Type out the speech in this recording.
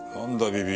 ビビ。